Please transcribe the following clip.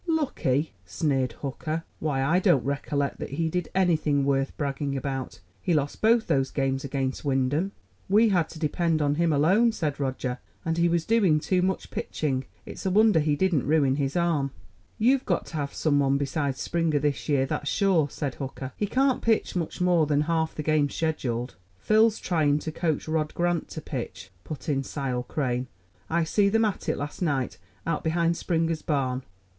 "Lucky!" sneered Hooker. "Why, I don't recollect that he did anything worth bragging about. He lost both those games against Wyndham." "We had to depend on him alone," said Roger; "and he was doing too much pitching. It's a wonder he didn't ruin his arm." "You've got to have some one beside Springer this year, that's sure," said Hooker. "He can't pitch much more than half the games scheduled." "Phil's tryin' to coach Rod Grant to pitch," put in Sile Crane. "I see them at it last night, out behind Springer's barn."